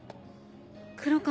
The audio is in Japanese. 「黒川